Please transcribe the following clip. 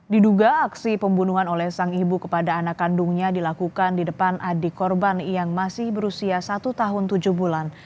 diduga aksi pembunuhan oleh sang ibu kepada anak kandungnya dilakukan di depan adik korban yang masih berusia satu tahun tujuh bulan